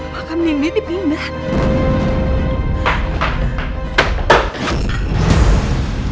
makam nindi dipindah